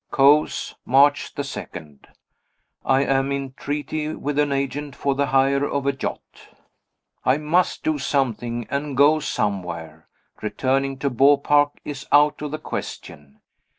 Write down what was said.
Cowes, March 2. I am in treaty with an agent for the hire of a yacht. I must do something, and go somewhere. Returning to Beaupark is out of the question.